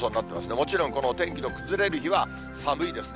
もちろん、お天気の崩れる日は寒いですね。